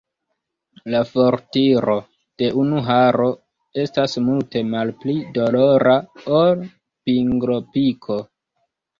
La fortiro de unu haro estas multe malpli dolora ol pinglopiko.